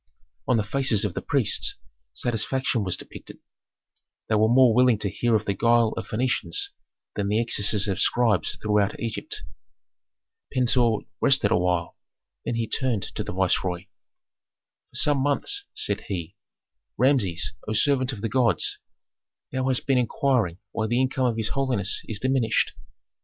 On the faces of the priests satisfaction was depicted; they were more willing to hear of the guile of Phœnicians than the excesses of scribes throughout Egypt. Pentuer rested awhile, then he turned to the viceroy. "For some months," said he, "Rameses, O servant of the gods, thou hast been inquiring why the income of his holiness is diminished.